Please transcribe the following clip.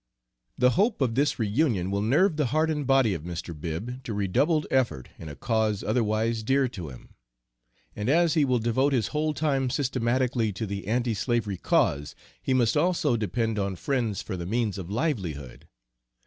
The hope of this re union will nerve the heart and body of Mr. Bibb to re doubled effort in a cause otherwise dear to him. And as he will devote his whole time systematically to the anti slavery cause, he must also depend on friends for the means of livelihood.